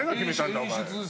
お前。